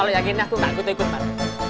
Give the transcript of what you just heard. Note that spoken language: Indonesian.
kalau yakin aku takut ikut pak